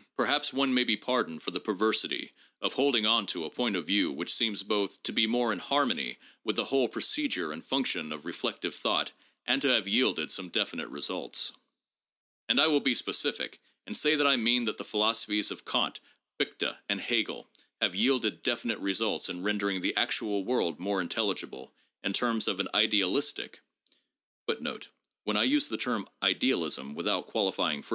pp. 707 711. 180 THE JOURNAL OF PHILOSOPHY haps one may be pardoned for the perversity of holding on to a point of view which seems both to be more in harmony with the whole procedure and function of reflective thought and to have yielded some definite results. And I will be specific and say that I mean that the philosophies of Kant, Fichte and Hegel have yielded definite results in rendering the actual world more intelligible in terms of an idealistic 7 rendering of experience. J. A. Leighton.